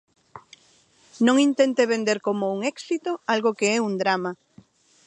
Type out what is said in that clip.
Non intente vender como un éxito algo que é un drama.